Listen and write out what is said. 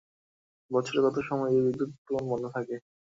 বছরের কত সময় এই বিদ্যুৎ উৎপাদন বন্ধ থাকে?